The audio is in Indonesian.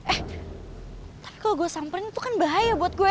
eh tapi kalau gue sampelin itu kan bahaya buat gue